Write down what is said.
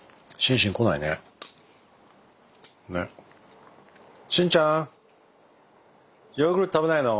シンちゃんヨーグルト食べないの？